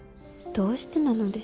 どうしてなのでしょう。